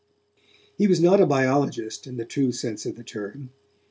He was not a biologist, in the true sense of the term.